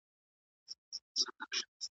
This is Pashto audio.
د غوايی تر سترګو ټوله ځنګل تور سو ,